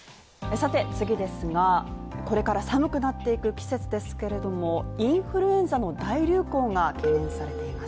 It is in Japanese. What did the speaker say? さて、次ですが、これから寒くなってくる季節ですけれども、インフルエンザの大流行が懸念されています